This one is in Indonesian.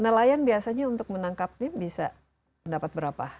nelayan biasanya untuk menangkapnya bisa mendapat berapa